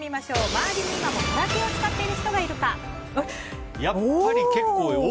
周りに今もガラケーを使っている人がいるか。